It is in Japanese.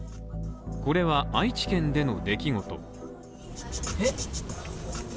これは、愛知県での出来事。